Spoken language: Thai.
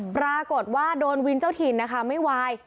ปรากฏว่าโดนวินเจ้าถิ่นนะคะไม่วาย